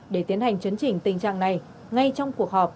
để tiến hành chấn chỉnh tình trạng này ngay trong cuộc họp